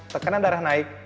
tekanan darah naik